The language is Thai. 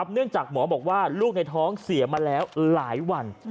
เนื่องจากหมอบอกว่าลูกในท้องเสียมาแล้วหลายวัน